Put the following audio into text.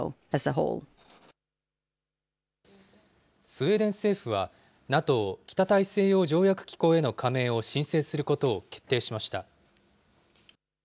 スウェーデン政府は、ＮＡＴＯ・北大西洋条約機構への加盟を申請することを決定しました。